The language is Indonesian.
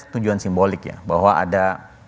tujuan simbolik ya bahwa ada